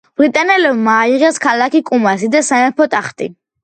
ბრიტანელებმა აიღეს ქალაქი კუმასი და სამეფო ტახტი.